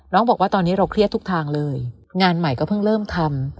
บอกว่าตอนนี้เราเครียดทุกทางเลยงานใหม่ก็เพิ่งเริ่มทำ